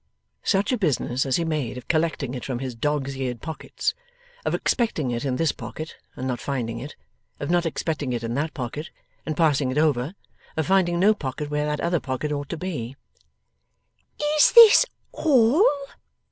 Such a business as he made of collecting it from his dogs' eared pockets; of expecting it in this pocket, and not finding it; of not expecting it in that pocket, and passing it over; of finding no pocket where that other pocket ought to be! 'Is this all?